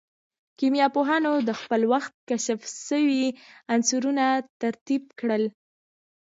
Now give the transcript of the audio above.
کيميا پوهانو د خپل وخت کشف سوي عنصرونه ترتيب کړل.